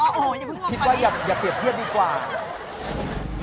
อืมก็คิดว่าอย่าเปรียบเทียบดีกว่าอ๋ออย่าพึ่งพึ่งข้างไป